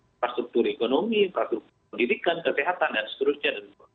infrastruktur ekonomi infrastruktur pendidikan kesehatan dan seterusnya